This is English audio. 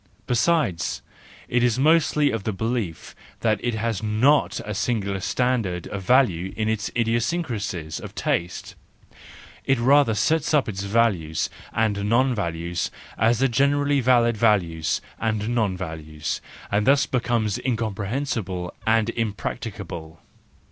Besides, it is mostly of the belief that it has not a singular standard of value in its idiosyncrasies THE JOYFUL WISDOM, I 39 of taste; it rather sets up its values and non values as the generally valid values and non values, and thus becomes incomprehensible and impracticable.